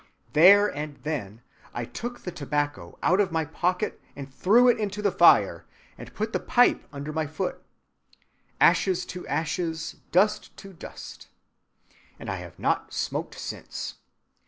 There and then I took the tobacco out of my pocket, and threw it into the fire, and put the pipe under my foot, 'ashes to ashes, dust to dust.' And I have not smoked since.